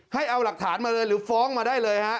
ให้เอาหลักฐานมาเลยหรือฟ้องมาได้เลยฮะ